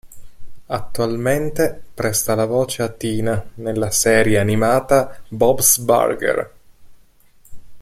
Attualmente, presta la voce a Tina nella serie animata "Bob's Burgers".